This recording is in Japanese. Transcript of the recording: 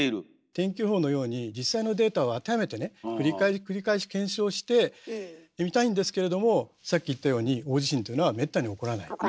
天気予報のように実際のデータを当てはめてね繰り返し繰り返し検証してみたいんですけれどもさっき言ったように起こらない。